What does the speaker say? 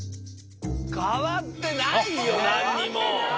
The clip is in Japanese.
変わってないよ何にも！